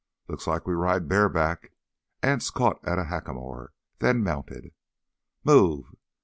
"Looks like we ride bareback." Anse caught at a hackamore, then mounted. "Move!"